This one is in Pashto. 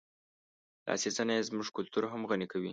لاسي صنایع زموږ کلتور هم غني کوي.